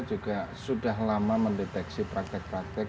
juga sudah lama mendeteksi praktek praktek